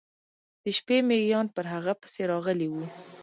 د شپې میږیان پر هغه پسې راغلي و.